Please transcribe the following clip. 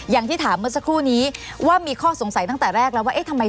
อย่างที่ถามเมื่อสักครู่นี้ว่ามีข้อสงสัยตั้งแต่แรกแล้วว่าเอ๊ะทำไม